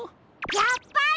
やっぱり！